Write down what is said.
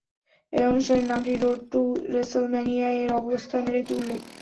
এই অনুষ্ঠানের নামটি "রোড টু রেসলম্যানিয়া"-এর অবস্থানের একটি উল্লেখ।